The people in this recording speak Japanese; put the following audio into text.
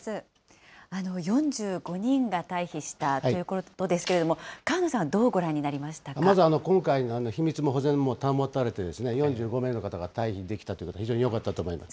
４５人が退避したということですけれども、河野さん、どうごまず、今回、秘密も保全も保たれて、４５名の方が退避できたということは、非常によかったと思います。